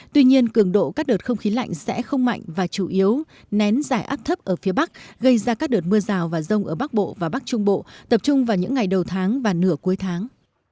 tuy nhiên cường độ các đợt không khí lạnh sẽ không mạnh và chủ yếu nén giải áp thấp ở phía bắc gây ra các đợt mưa rào và rông ở bắc bộ và bắc trung bộ tập trung vào những ngày đầu tháng và nửa cuối tháng